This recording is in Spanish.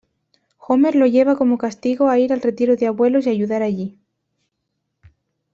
Homer lo lleva como castigo a ir al Retiro de Abuelos y ayudar allí.